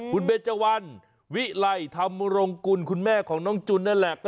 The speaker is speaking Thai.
คุณเบจวันวิไลธรรมรงกุลคุณแม่ของน้องจุนนั่นแหละ